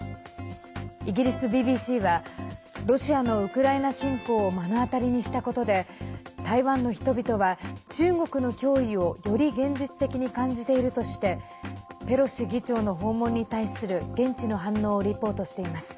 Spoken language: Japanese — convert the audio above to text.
イギリスＢＢＣはロシアのウクライナ侵攻を目の当たりにしたことで台湾の人々は、中国の脅威をより現実的に感じているとしてペロシ議長の訪問に対する現地の反応をリポートしています。